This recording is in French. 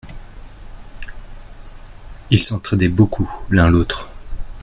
Ils s’entraidaient beaucoup l’un l’autre.